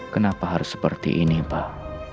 kenapa harus seperti ini pak